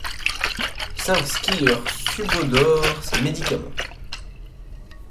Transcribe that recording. Cinq skieurs subodorent ces médicaments.